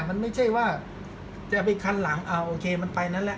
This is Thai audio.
มันไม่ใช่ว่าจะไปคันหลังเอาโอเคมันไปนั่นแหละ